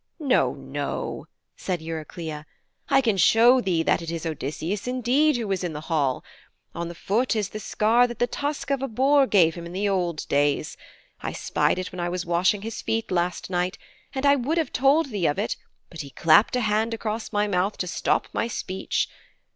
'No, no,' said Eurycleia. 'I can show thee that it is Odysseus indeed who is in the hall. On his foot is the scar that the tusk of a boar gave him in the old days. I spied it when I was washing his feet last night, and I would have told thee of it, but he clapped a hand across my mouth to stop my speech.